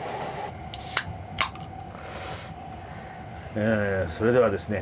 えそれではですね